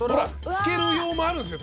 つける用もあるんですよ